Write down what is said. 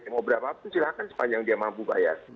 mau berapa pun silahkan sepanjang dia mampu bayar